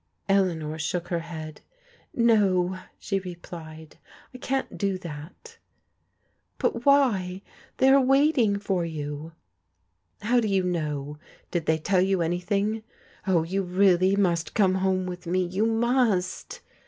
Eleanor shook her head. " No," she replied. " I can't do that" " But why? They are waiting for you." "How do you know? Did they tell you anything?" " Oh, you really must come home with me, you must."